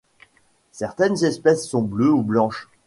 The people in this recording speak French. Certaines espèces sont bleues ou blanches.